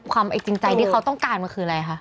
ความไม่จริงใจที่เขาต้องการว่าคืออะไรคะ